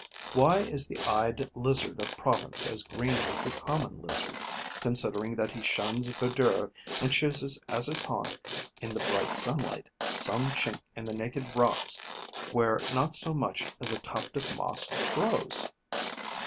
Why is the Eyed Lizard of Provence as green as the Common Lizard, considering that he shuns verdure and chooses as his haunt, in the bright sunlight, some chink in the naked rocks where not so much as a tuft of moss grows?